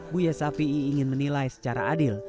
buya shafi'i ingin menilai secara adil